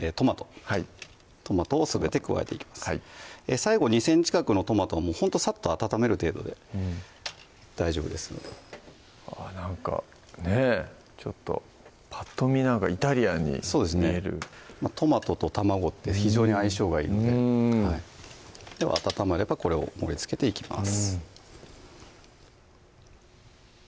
最後２ｃｍ角のトマトはほんとさっと温める程度で大丈夫ですのでなんかねぇちょっとぱっと見イタリアンに見えるトマトと卵って非常に相性がいいのででは温まればこれを盛りつけていきます